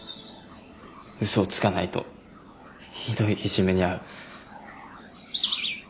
嘘をつかないとひどいいじめに遭う。